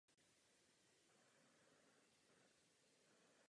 Nejspíše se mu existující mešita nelíbila a nechal ji chátrat.